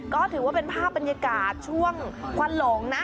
ก็ถือว่าเป็นภาพบรรยากาศช่วงควันหลงนะ